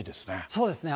そうですね。